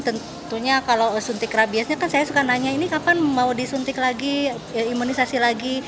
tentunya kalau suntik rabiesnya kan saya suka nanya ini kapan mau disuntik lagi imunisasi lagi